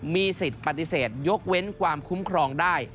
มีสิทธิ์ปฏิเสธยกเว้นความคุ้มครองได้